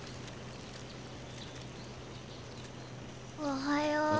おはよー。